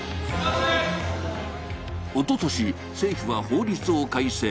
おととし、政府は法律を改正。